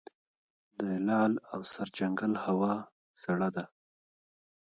د لعل او سرجنګل هوا سړه ده